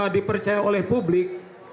dipercaya oleh publik